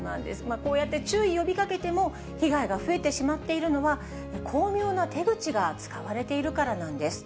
こうやって注意呼びかけても、被害が増えてしまっているのは、巧妙な手口が使われているからなんです。